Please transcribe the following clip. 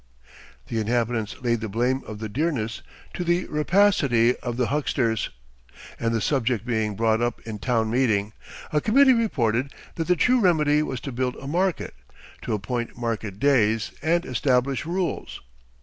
The inhabitants laid the blame of the dearness to the rapacity of the hucksters, and the subject being brought up in town meeting, a committee reported that the true remedy was to build a market, to appoint market days, and establish rules.